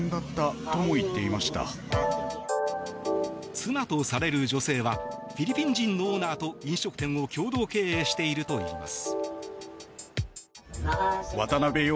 妻とされる女性はフィリピン人のオーナーと飲食店を共同経営しているといいます。